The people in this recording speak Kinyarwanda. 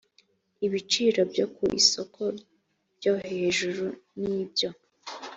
ibiciro byo ku isoko byo hejuru n ibyo